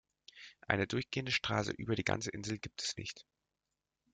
Eine durchgehende Straße über die ganze Insel gibt es nicht.